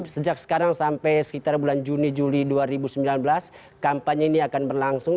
sejak sekarang sampai sekitar bulan juni juli dua ribu sembilan belas kampanye ini akan berlangsung